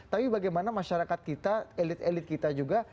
tapi bagaimana masyarakat kita elit elit kita juga